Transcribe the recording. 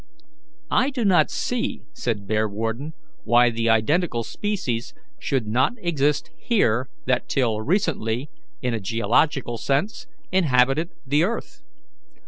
"I do not see," said Bearwarden, "why the identical species should not exist here that till recently, in a geological sense, inhabited the earth.